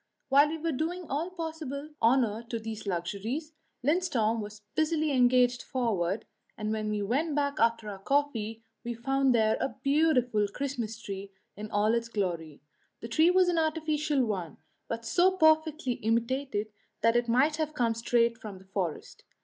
While we were doing all possible honour to these luxuries, Lindström was busily engaged forward, and when we went back after our coffee we found there a beautiful Christmas tree in all its glory. The tree was an artificial one, but so perfectly imitated that it might have come straight from the forest.